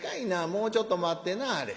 もうちょっと待ってなはれ』。